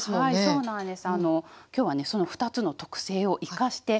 そうなんです。